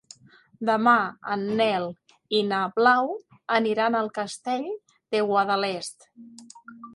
Demà en Nel i na Blau aniran al Castell de Guadalest.